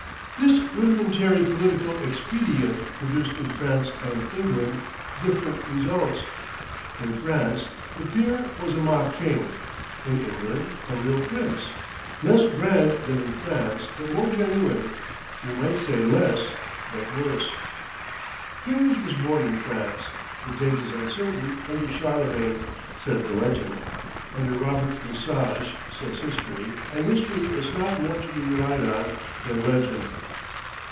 This rudimentary political expedient produced in France and England different results. In France, the peer was a mock king; in England, a real prince less grand than in France, but more genuine: we might say less, but worse. Peerage was born in France; the date is uncertain under Charlemagne, says the legend; under Robert le Sage, says history, and history is not more to be relied on than legend.